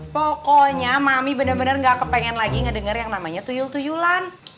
pokoknya mami bener bener nggak kepengen lagi ngedenger yang namanya tuyul tuyulan